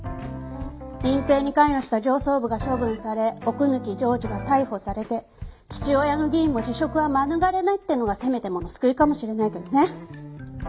隠蔽に関与した上層部が処分され奥貫譲次が逮捕されて父親の議員も辞職は免れないってのがせめてもの救いかもしれないけどね。